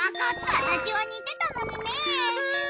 形は似てたのにね。